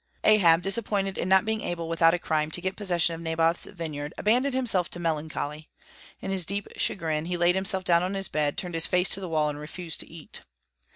Ahab, disappointed in not being able without a crime to get possession of Naboth's vineyard, abandoned himself to melancholy. In his deep chagrin he laid himself down on his bed, turned his face to the wall, and refused to eat.